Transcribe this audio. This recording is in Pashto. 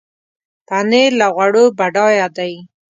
پنېر له غوړو بډایه دی.